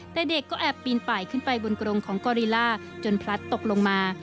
แต่เด็กก็แอบปีนป่ายขึ้นไปบนกรงของกอริล่าจนพลัดตกลงมา